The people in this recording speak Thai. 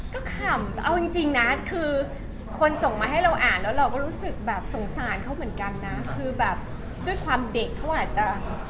ก็ขำเอาจริงนะคือคนส่งมาให้เราอ่านแล้วเราก็รู้สึกแบบสงสารเขาเหมือนกันนะคือแบบด้วยความเด็กเขาอาจจะ